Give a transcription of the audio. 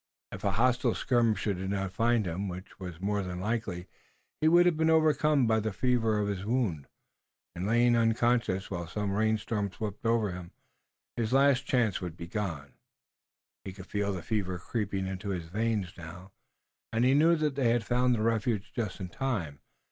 If a hostile skirmisher did not find him, which was more than likely, he would have been overcome by the fever of his wound, and, lying unconscious while some rainstorm swept over him, his last chance would be gone. He could feel the fever creeping into his veins now, and he knew that they had found the refuge just in time.